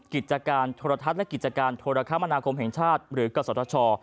กิจการโทรทัศน์และกิจการโทรคมนาคมแห่งชาติหรือกศช